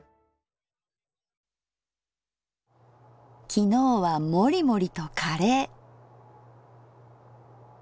昨日はもりもりとカレー。